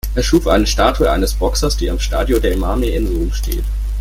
Er schuf eine Statue eines Boxers, die am Stadio dei Marmi in Rom steht.